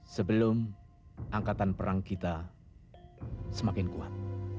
sebelum angkatan perang kita semakin kuat